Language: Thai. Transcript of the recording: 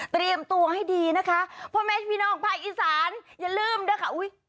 เตรียมตัวให้ดีนะคะเพราะแม้พี่น้องภาคอีสานอย่าลืมด้วยค่ะอุ้ย